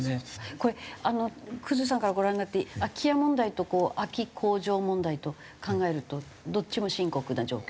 これ生さんからご覧になって空き家問題と空き工場問題と考えるとどっちも深刻な状況？